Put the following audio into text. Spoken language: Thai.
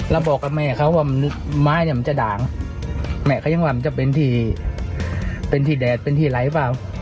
แล้วบอกกับแม่เขาว่าไม้เนี่ยมันจะด่างแม่เขายังว่ามันจะเป็นที่เป็นที่แดดเป็นที่ไหลเปล่า